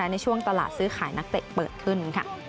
ในช่วงตลาดซื้อขายนักเตะเปิดขึ้น